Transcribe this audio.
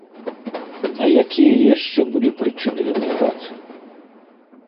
А якія яшчэ былі прычыны эміграцыі?